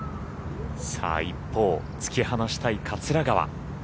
一方、突き放したい桂川。